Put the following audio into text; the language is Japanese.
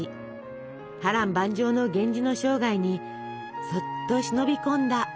波乱万丈の源氏の生涯にそっと忍び込んだお菓子でした。